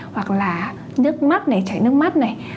hoặc là nước mắt chảy nước mắt